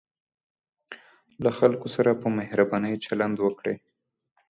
له خلکو سره په مهربانۍ چلند وکړئ.